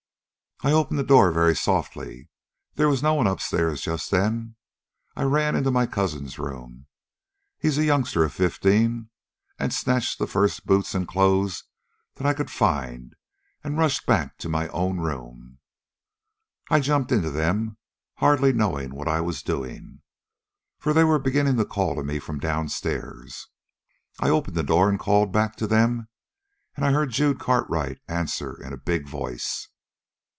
I opened the door very softly. There was no one upstairs just then. I ran into my cousin's room he's a youngster of fifteen and snatched the first boots and clothes that I could find and rushed back to my own room. "I jumped into them, hardly knowing what I was doing. For they were beginning to call to me from downstairs. I opened the door and called back to them, and I heard Jude Cartwright answer in a big voice.